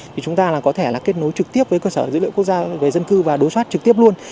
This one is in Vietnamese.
thì chúng ta có thể là kết nối trực tiếp với cơ sở dữ liệu quốc gia về dân cư và đối soát trực tiếp luôn